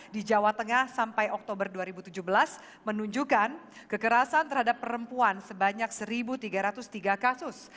di jawa tengah sampai oktober dua ribu tujuh belas menunjukkan kekerasan terhadap perempuan sebanyak satu tiga ratus tiga kasus